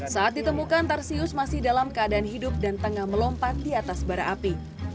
saat ditemukan tarsius masih dalam keadaan hidup dan tengah melompat di atas bara api